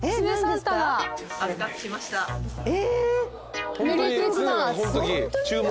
え！